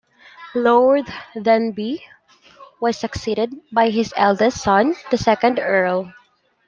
Lord Denbigh was succeeded by his eldest son, the second Earl.